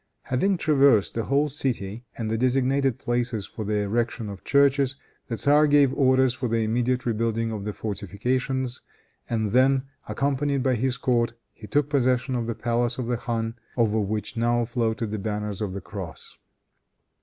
Having traversed the whole city and designated the places for the erection of churches, the tzar gave orders for the immediate rebuilding of the fortifications, and then, accompanied by his court, he took possession of the palace of the khan, over which now floated the banners of the cross.